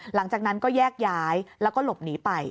หลังจากนั้นก็แยกย้ายแล้วก็หลบหนีไป